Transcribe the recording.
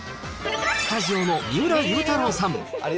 スタジオの三浦祐太朗さん。